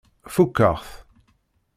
Fukeɣ-t.